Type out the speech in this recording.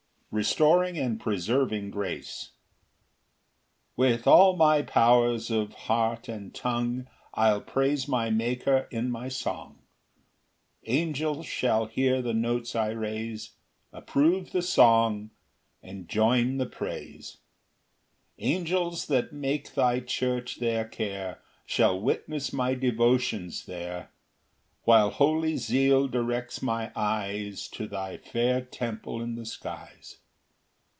Restoring and preserving grace. 1 [With all my powers of heart and tongue I'll praise my Maker in my song: Angels shall hear the notes I raise, Approve the song, and join the praise. 2 Angels that make thy church their care Shall witness my devotions there, While holy zeal directs my eyes To thy fair temple in the skies.